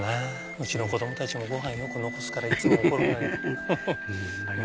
うちの子供たちもごはんよく残すからいつも怒るんだけど。